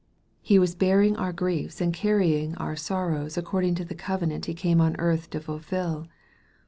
He was bearing our griefs and carrying our sorrows according to the covenant He came on earth to fulfil.